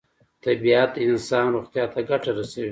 طبیعت د انسان روغتیا ته ګټه رسوي.